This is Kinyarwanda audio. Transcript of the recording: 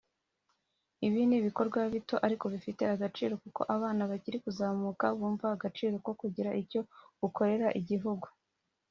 Ibi ni ibikorwa bito ariko bifite agaciro kuko abana bakiri kuzamuka bumva agaciro ko kugira icyo ukorera igihugu